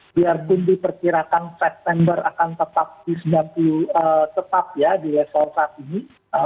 biarpun diperkirakan september akan tetap di sembilan puluh tetap ya di level saat ini